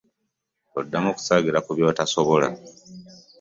Toddangamu kusaagira ku by'otasobola.